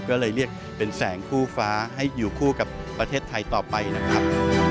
ก็เลยเรียกเป็นแสงคู่ฟ้าให้อยู่คู่กับประเทศไทยต่อไปนะครับ